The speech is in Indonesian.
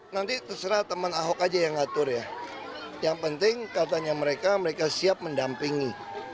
nanti terserah teman ahok aja yang ngatur ya yang penting katanya mereka mereka siap mendampingi